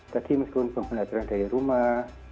tadi miskin pembina jalan dari rumah